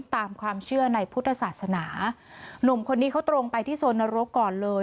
ตามความเชื่อในพุทธศาสนาหนุ่มคนนี้เขาตรงไปที่โซนนรกก่อนเลย